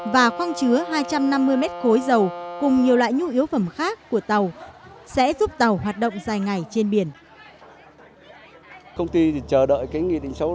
và khoang chứa hai trăm năm mươi mét khối dầu cùng nhiều loại nhu yếu phẩm khác của tàu sẽ giúp tàu hoạt động dài ngày trên biển